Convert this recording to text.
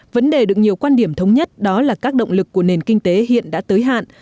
vấn đề được nhiều quan điểm thống nhất đó là các động lực của nền kinh tế hiện đã tới hạn